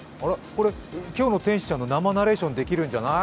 これ、「今日の天使ちゃん」の生ナレーションできるんじゃない？